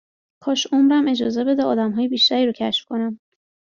کاش عمرم اجازه بده آدمهای بیشتری رو کشف کنم